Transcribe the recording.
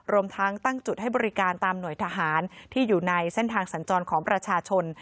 รวมทั้งตั้งจุดให้บริการตามหน่วยทหารที่อยู่ในเส้นทางสัญจรของประชาชน